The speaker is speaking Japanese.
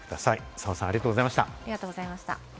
澤さん、ありがとうございました。